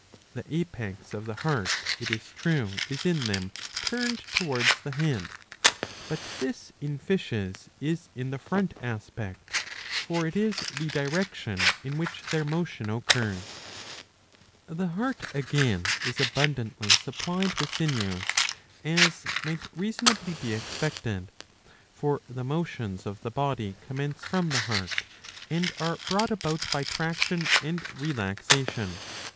The apex of the heart, it is true, is in them turned towards the head, but this in fishes is the front aspect, for it is the direction in which their motion occurs. ^^ The heart again is abundantly supplied with sinews, " as might reasonably be expected. For the motions of the body commence from the heart, and are brought about by traction and relaxation.